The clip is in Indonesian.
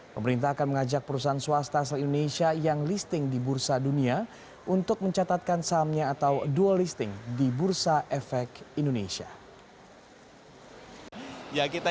pemerintah akan mengajak perusahaan swasta asal indonesia yang listing di bursa dunia untuk mencatatkan sahamnya atau dual listing di bursa efek indonesia